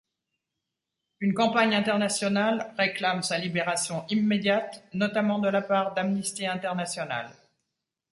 Une campagne internationale réclame sa libération immédiate, notamment de la part d'Amnesty International.